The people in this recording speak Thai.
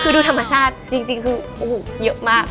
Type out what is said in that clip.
คือดูธรรมชาติจริงคือโอ้โหเยอะมาก